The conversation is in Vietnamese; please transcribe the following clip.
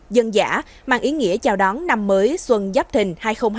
dân giả mang ý nghĩa chào đón năm mới xuân giáp thình hai nghìn hai mươi bốn